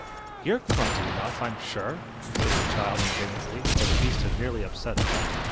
"You're clumsy enough, I'm sure!" said the child, indignantly, for the beast had nearly upset her.